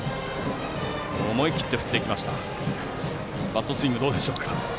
バットスイングどうでしょうか。